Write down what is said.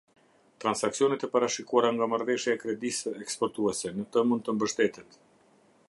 Transaksionet e parashikuara nga Marrëveshja e Kredisë Eksportuese. Në të mund të mbështetet.